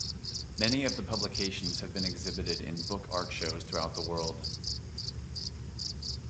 Many of the publications have been exhibited in book art shows throughout the world.